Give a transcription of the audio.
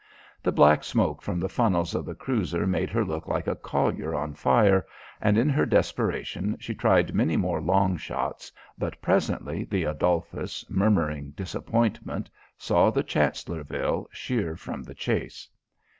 The black smoke from the funnels of the cruiser made her look like a collier on fire, and in her desperation she tried many more long shots, but presently the Adolphus, murmuring disappointment, saw the Chancellorville sheer from the chase.